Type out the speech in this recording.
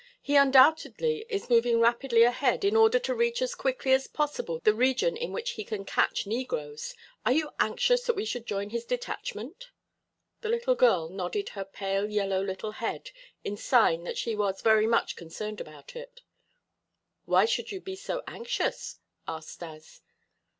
He undoubtedly is moving rapidly ahead, in order to reach as quickly as possible the region in which he can catch negroes. Are you anxious that we should join his detachment?" The little girl nodded her pale yellow little head in sign that she was very much concerned about it. "Why should you be so anxious?" asked Stas.